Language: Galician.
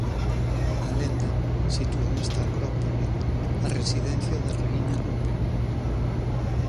A lenda sitúa nesta acrópole a residencia da Raíña Lupe.